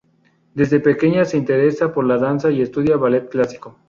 Desde pequeña se interesa por la danza y estudia ballet clásico.